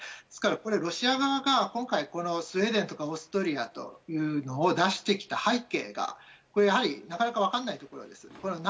ですから、ロシア側が今回、スウェーデンとかオーストリアというのを出してきた背景がなかなか分からないところです。